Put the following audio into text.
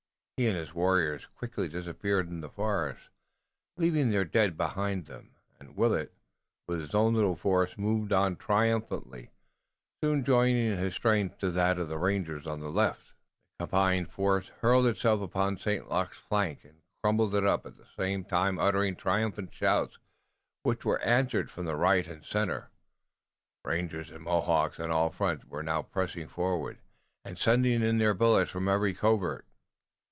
He and his warriors quickly disappeared in the forest, leaving their dead behind them, and Willet with his own little force moved on triumphantly, soon joining his strength to that of the rangers on the left. The combined force hurled itself upon St. Luc's flank and crumpled it up, at the same time uttering triumphant shouts which were answered from the right and center, rangers and Mohawks on all fronts now pressing forward, and sending in their bullets from every covert.